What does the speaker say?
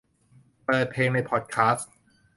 เปิดเพลงในพอดคาสต์